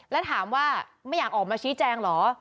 แล้วถามว่าไม่อยากออกมาชี้แจงเหรอ